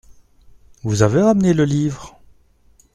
Vous avez ramené le livre ?